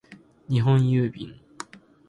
日本郵便